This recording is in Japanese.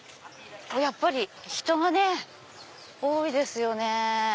やっぱり人がね多いですよね。